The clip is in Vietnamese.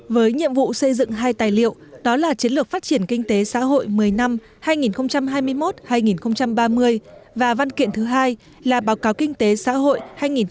với nhiệm vụ xây dựng hai tài liệu đó là chiến lược phát triển kinh tế xã hội một mươi năm hai nghìn hai mươi một hai nghìn ba mươi và văn kiện thứ hai là báo cáo kinh tế xã hội hai nghìn một mươi hai hai nghìn ba mươi